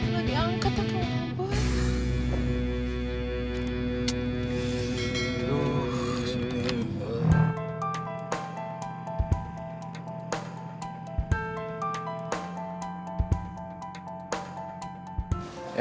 gak diangkat apa apa ya